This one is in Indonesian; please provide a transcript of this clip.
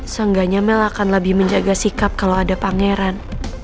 seenggaknya mel akan lebih menjaga sikap kalau ada pangeran